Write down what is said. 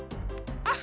あ。